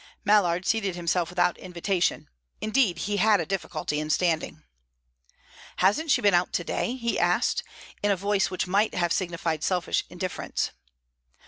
Mallard seated himself without invitation; indeed, he had a difficulty in standing. "Hasn't she been out to day?" he asked, in a voice which might have signified selfish indifference.